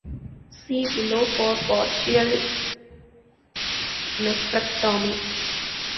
See below for partial nephrectomy.